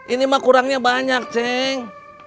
ini mah kurangnya banyak ceng